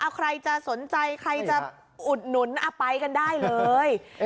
เอาใครจะสนใจใครจะอุดหนุนไปกันได้เลย